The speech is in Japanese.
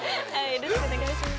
よろしくお願いします。